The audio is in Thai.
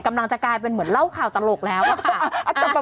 กำลังจะกลายเป็นเหมือนเล่าข่าวตลกแล้วอะค่ะ